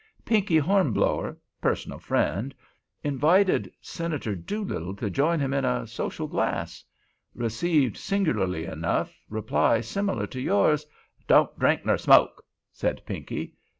Pinkey Hornblower—personal friend—invited Senator Doolittle to join him in social glass. Received, sing'larly enough, reply similar to yours. 'Don't drink nor smoke?' said Pinkey.